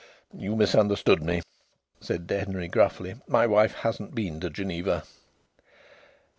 "You misunderstood me," said Denry, gruffly. "My wife hasn't been to Geneva."